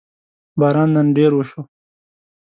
باران نن ډېر وشو